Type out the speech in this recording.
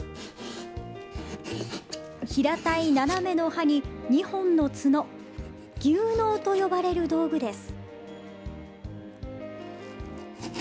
平たい斜めの刃に二本の角牛角と呼ばれる道具です。